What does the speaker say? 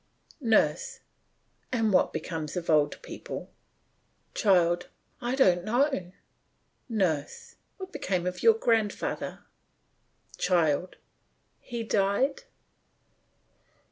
NURSE: And what becomes of old people? CHILD: I don't know. NURSE: What became of your grandfather? CHILD: He died.